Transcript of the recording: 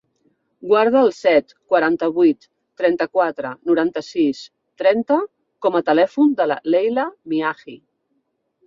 Guarda el set, quaranta-vuit, trenta-quatre, noranta-sis, trenta com a telèfon de la Leila Mihai.